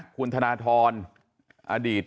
คุณธนทรอดีต